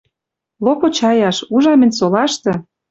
Лопочаяш. Ужам мӹнь: солашты